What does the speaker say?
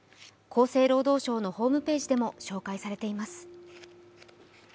厚生労働省のホームページでも紹介されています。